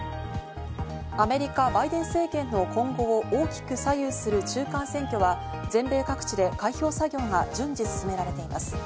アメリカ・バイデン政権の今後を大きく左右する中間選挙は全米各地で開票作業が順次、進められています。